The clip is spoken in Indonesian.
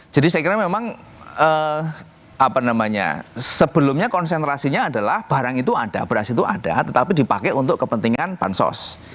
jadi saya kira memang apa namanya sebelumnya konsentrasinya adalah barang itu ada beras itu ada tetapi dipakai untuk kepentingan bansos